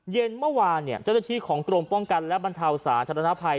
เย็นเมื่อวานเจ้าหน้าที่ของกรมป้องกันและบรรเทาสาธารณภัย